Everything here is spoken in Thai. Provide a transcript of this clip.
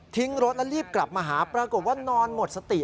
รถแล้วรีบกลับมาหาปรากฏว่านอนหมดสติ